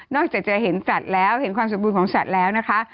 จากจะเห็นสัตว์แล้วเห็นความสมบูรณ์ของสัตว์แล้วนะคะ